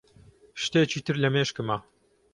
شتێکی تر لە مێشکمە.